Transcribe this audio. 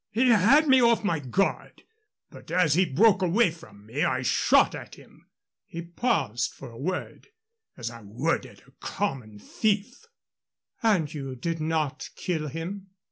"He had me off my guard, but as he broke away from me I shot at him" he paused for a word "as I would at a common thief." "And you did not kill him?"